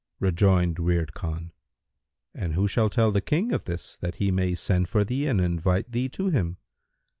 Rejoined Wird Khan, "But who shall tell the King of this that he may send for thee and invite thee to him?"